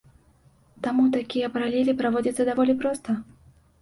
Таму такія паралелі праводзяцца даволі проста.